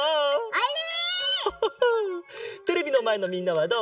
あれ？